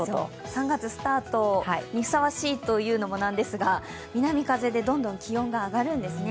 ３月スタートにふさわしいというのもなんですが南風でどんどん気温が上がるんですね。